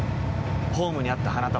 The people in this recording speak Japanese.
ホームにあった花束。